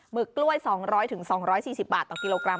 หมึกกล้วยสองร้อยถึงสองร้อยสี่สิบบาทต่อกิโลกรัม